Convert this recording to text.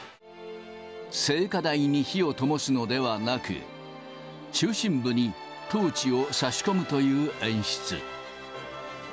聖火台に火をともすのではなく、中心部にトーチを差し込むという演出。